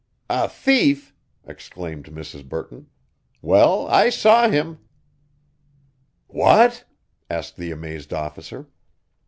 "A thief!" exclaimed Mrs. Burton. "Well, I saw him." "What?" asked the amazed officer.